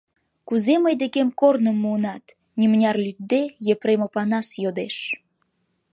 Кузе мый декем корным муынат? — нимыняр лӱдде, Епрем Опанас йодеш.